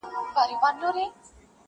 ماته جهاني د ګل پر پاڼو کیسې مه لیکه،